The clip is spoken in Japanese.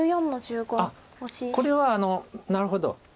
これはなるほど。